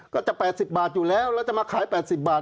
ก็จะแปดสิบบาทอยู่แล้วแล้วจะมาขายแปดสิบบาท